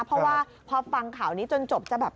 เพราะว่าพอฟังข่าวนี้จนจบจะแบบ